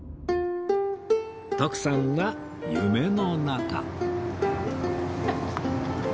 徳さんは夢の中